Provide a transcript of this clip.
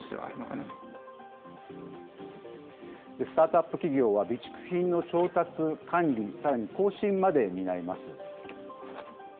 スタートアップ企業は、備蓄品の調達、管理、さらに更新まで担います。